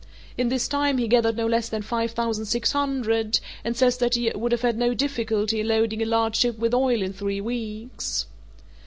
In this time he gathered no less than five thousand six hundred, and says that he would have had no difficulty in loading a large ship with oil in three weeks.